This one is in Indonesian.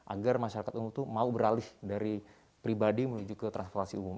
agar masyarakat umum itu mau beralih dari pribadi menuju ke transportasi umum